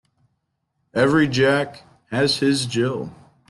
Every Jack has his Jill.